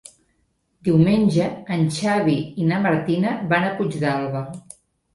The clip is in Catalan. Diumenge en Xavi i na Martina van a Puigdàlber.